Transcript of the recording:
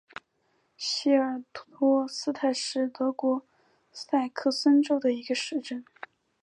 希尔施斯泰因是德国萨克森州的一个市镇。